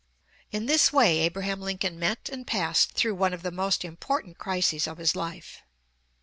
In this way Abraham Lincoln met and passed through one of the most important crises of his life.